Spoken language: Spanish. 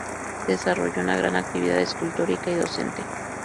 Desarrolló una gran actividad escultórica y docente.